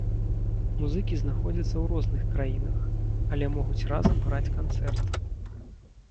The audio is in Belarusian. Музыкі знаходзяцца ў розных краінах, але могуць разам граць канцэрт.